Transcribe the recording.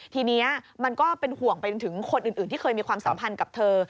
ทีนี้มันก็เป็นห่วงไปถึงคนอื่นที่เคยมีความสัมพันธ์กับเธอ